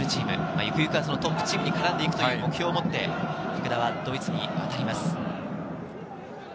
ゆくゆくはトップチームに絡んでいくという目標を持って福田はドイツに渡ります。